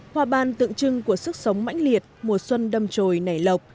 hòa ban tượng trưng của sức sống mãnh liệt mùa xuân đâm trồi nảy lọc